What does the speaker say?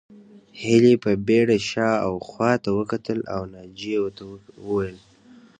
هيلې په بېړه شا او خواته وکتل او ناجيې ته وویل